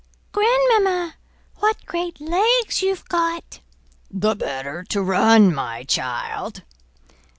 "Grandmamma, what great legs you've got!" "The better to run, my child."